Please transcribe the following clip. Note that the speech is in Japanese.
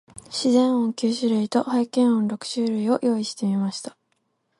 自然音九種類と、背景音六種類を用意してみました。